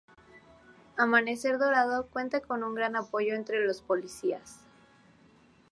Amanecer Dorado cuenta con un gran apoyo entre los policías.